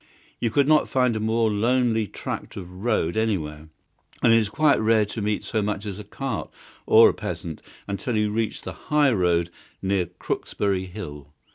You could not find a more lonely tract of road anywhere, and it is quite rare to meet so much as a cart, or a peasant, until you reach the high road near Crooksbury Hill.